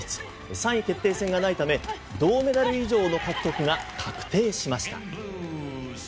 ３位決定戦がないため銅メダル以上の獲得が確定しました。